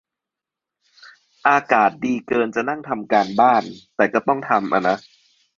อากาศดีเกินจะนั่งทำการบ้าน แต่ก็ต้องทำอ่ะนะ